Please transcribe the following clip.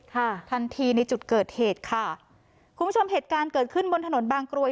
ทันทีในจุดเกิดเหตุค่ะคุณผู้ชมเหตุการณ์เกิดขึ้นบนถนนบางกรวย